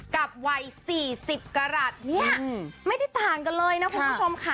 วัย๔๐กรัฐเนี่ยไม่ได้ต่างกันเลยนะคุณผู้ชมค่ะ